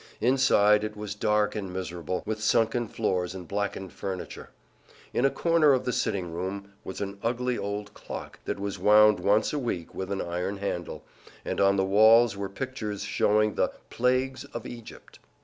Inside it was dark and miserable, with sunken floors and blackened furniture. In a corner of the sitting room was an ugly old clock that was wound once a week with an iron handle, and on the walls were pictures showing the "Plagues of Egypt."